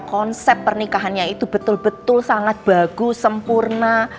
konsep pernikahannya itu betul betul sangat bagus sempurna